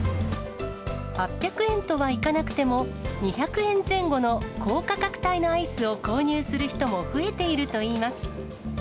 ８００円とはいかなくても、２００円前後の高価格帯のアイスを購入する人も増えているといいます。